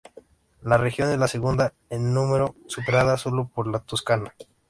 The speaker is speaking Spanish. La región es la segunda en número, superada sólo por la Toscana.